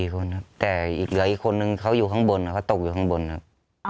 ๔คนครับแต่อีกเหลืออีกคนนึงเขาอยู่ข้างบนเขาตกอยู่ข้างบนครับ